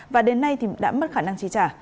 và đến nay đã mất khả năng trí trả